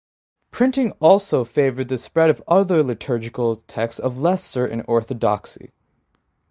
Printing also favoured the spread of other liturgical texts of less certain orthodoxy.